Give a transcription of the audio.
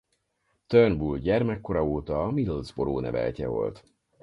Turnbull gyermekkora óta a Middlesbrough neveltje volt.